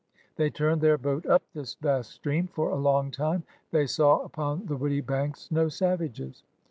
They turned their boat up this vast stream. For a long time they saw upon the woody banks no savages.